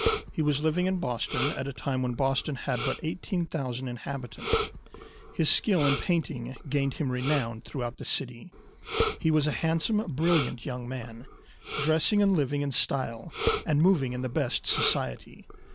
He was living in Boston at a time when Boston had but 18,000 inhabitants. His skill in painting gained him renown through out the city. He was a handsome, brilliant young man, dressing and living in style, and moving in the best society.